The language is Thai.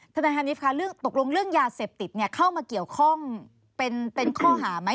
ทนายฮานิสคะเรื่องตกลงเรื่องยาเสพติดเข้ามาเกี่ยวข้องเป็นข้อหาไหม